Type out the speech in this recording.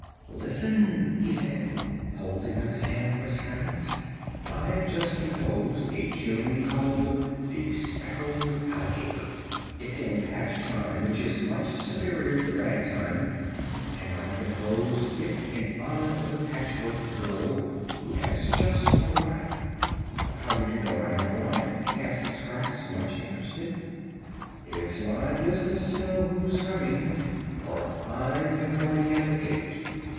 "Listen!" he said, holding up his hand for silence. "I've just composed a tune called 'The Speckled Alligator.' It's in patch time, which is much superior to rag time, and I've composed it in honor of the Patchwork Girl, who has just arrived." "How did you know I had arrived?" asked Scraps, much interested. "It's my business to know who's coming, for I'm the Guardian of the Gate.